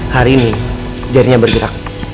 hari ini jarinya bergerak